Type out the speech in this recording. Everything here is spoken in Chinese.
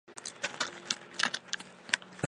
出生于美国马里兰州巴尔的摩。